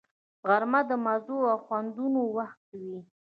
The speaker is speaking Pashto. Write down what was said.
غرمه د مزو او خوندونو وخت وي